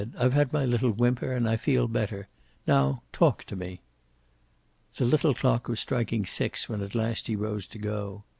"I've had my little whimper, and I feel better. Now talk to me." The little clock was striking six when at last he rose to go.